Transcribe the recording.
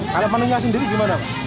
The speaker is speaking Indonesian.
kalau menunya sendiri gimana